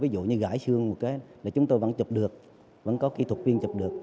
ví dụ như gãi xương chúng tôi vẫn chụp được vẫn có kỹ thuật viên chụp được